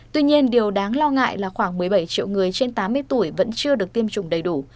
tuy nhiên điều đáng lo ngại là khoảng một mươi bảy triệu người trên tám mươi tuổi vẫn chưa được tiêm chủng đầy đủ